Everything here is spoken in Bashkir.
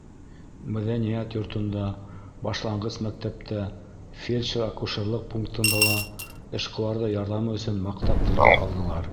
Мәҙәниәт йортонда, башланғыс мәктәптә, фельдшер-акушерлыҡ пунктында ла эшҡыуарҙы ярҙамы өсөн маҡтап телгә алдылар.